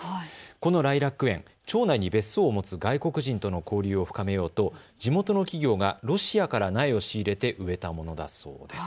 このライラック園、町内に別荘を持つ外国人との交流を深めようと地元の企業がロシアから苗を仕入れて植えたものだそうです。